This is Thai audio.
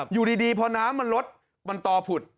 อยู่ดีพอน้ำมันลดมันต่อผุด